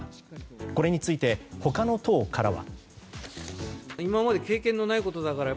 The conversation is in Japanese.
これについて、他の党からは。